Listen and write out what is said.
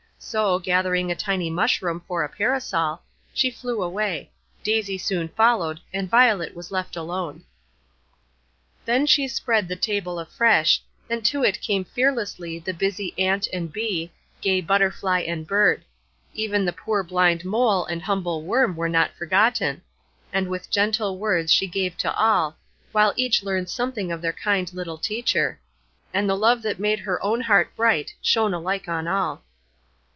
So, gathering a tiny mushroom for a parasol, she flew away; Daisy soon followed, and Violet was left alone. Then she spread the table afresh, and to it came fearlessly the busy ant and bee, gay butterfly and bird; even the poor blind mole and humble worm were not forgotten; and with gentle words she gave to all, while each learned something of their kind little teacher; and the love that made her own heart bright shone alike on all.